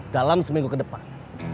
dalam seminggu ke depan